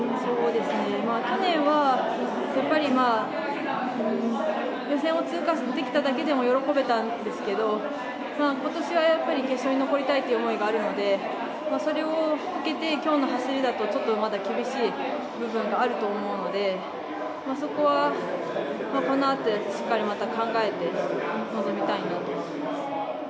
去年は予選を通過できただけでも喜べたんですけれども今年は決勝に残りたいという思いがあるので、それを受けて今日の走りだとちょっとまだ厳しい部分があると思うのでそこはこのあとしっかりまた考えて臨みたいと思います。